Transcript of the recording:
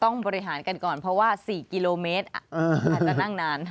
ต้องบริหารกันก่อนเพราะว่า๔กิโลเมตรอาจจะนั่งนาน